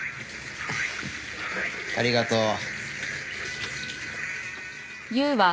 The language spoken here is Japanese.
ありがとう。